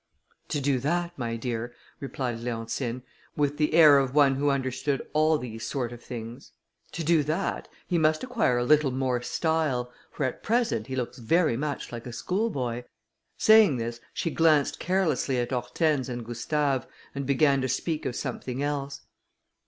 "To do that, my dear," replied Leontine, with the air of one who understood all these sort of things, "to do that, he must acquire a little more style, for at present he looks very much like a schoolboy;" saying this she glanced carelessly at Hortense and Gustave, and began to speak of something else.